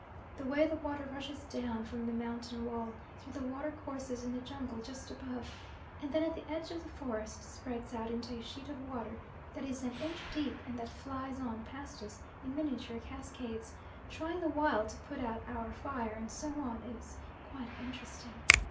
The way the water rushes down from the mountain wall through the watercourses in the jungle just above, and then at the edge of the forest spreads out into a sheet of water that is an inch deep, and that flies on past us in miniature cascades, trying the while to put out our fire and so on, is quite interesting.